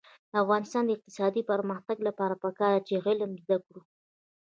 د افغانستان د اقتصادي پرمختګ لپاره پکار ده چې علم زده کړو.